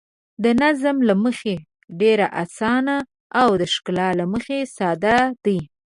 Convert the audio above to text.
د نظم له مخې ډېر اسانه او د ښکلا له مخې ساده دي.